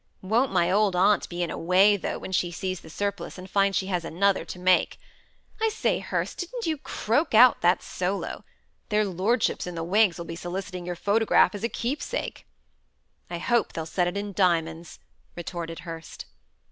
Won't my old aunt be in a way though, when she sees the surplice, and finds she has another to make! I say, Hurst, didn't you croak out that solo! Their lordships in the wigs will be soliciting your photograph as a keepsake." "I hope they'll set it in diamonds," retorted Hurst.